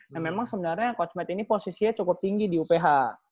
nah memang sebenarnya kosmed ini posisinya cukup tinggi di uph